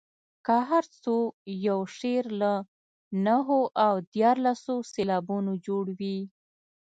که هر څو یو شعر له نهو او دیارلسو سېلابونو جوړ وي.